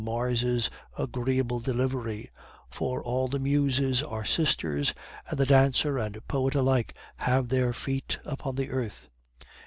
Mars' agreeable delivery, for all the Muses are sisters, and the dancer and poet alike have their feet upon the earth.